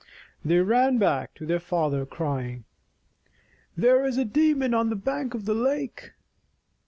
They ran back to their father, crying, "There is a demon on the bank of the lake."